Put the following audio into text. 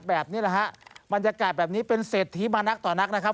แบบนี้แหละฮะบรรยากาศแบบนี้เป็นเศรษฐีมานักต่อนักนะครับ